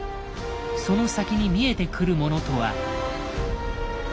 その先に見えてくるものとは。